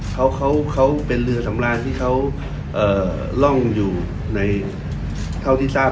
เขาเขาเป็นเรือสำราญที่เขาร่องอยู่ในเท่าที่ทราบ